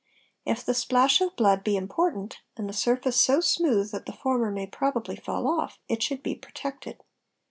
If the splash of blood be important, and the surface so smooth that the — former may probably fall off, it should be protected.